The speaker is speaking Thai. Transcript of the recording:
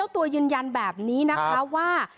ตัวยืนยันแบบนี้นะคะว่า